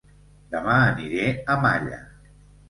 Dema aniré a Malla